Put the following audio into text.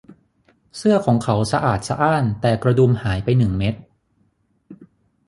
เสื้อของเขาสะอาดสะอ้านแต่กระดุมหายไปหนึ่งเม็ด